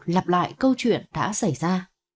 lặp lại câu chuyện đã xảy ra